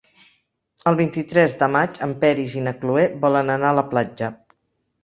El vint-i-tres de maig en Peris i na Cloè volen anar a la platja.